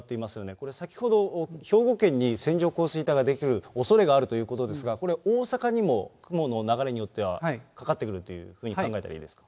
これ、先ほど兵庫県に線状降水帯が出来るおそれがあるということですが、これ、大阪にも、雲の流れによってはかかってくるというふうに考えたらいいですか。